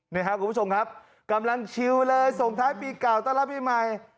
นี่ครับคุณผู้ชมครับกำลังชิวเลยส่งท้ายปีเก่าต้อนรับปีใหม่